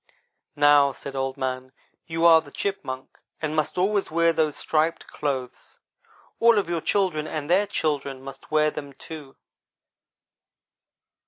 "'Now,' said Old man, 'you are the Chipmunk, and must always wear those striped clothes. All of your children and their children, must wear them, too.'